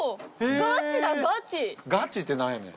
ガチってなんやねん。